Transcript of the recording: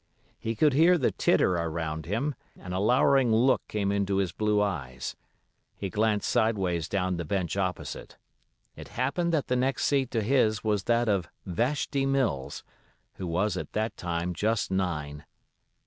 He could hear the titter around him, and a lowering look came into his blue eyes. He glanced sideways down the bench opposite. It happened that the next seat to his was that of Vashti Mills, who was at that time just nine.